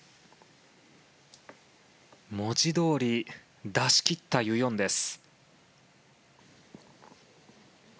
文字どおり出しきったユ・ヨンです。